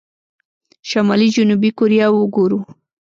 شمالي جنوبي کوريا وګورو.